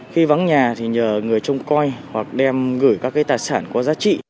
khi vắng nhà thì nhờ người trông coi hoặc đem gửi các tài sản qua giá trị